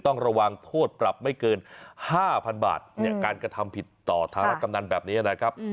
ต้องระวังโทษปรับไม่เกิน๕๐๐๐บาทเนี่ยการกระทำผิดต่อธารกำนันแบบนี้นะครับ